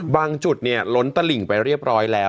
บางจุดล้นตลิ่งไปเรียบร้อยแล้ว